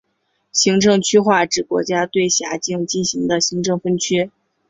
行政区划指国家对辖境进行的行政分区。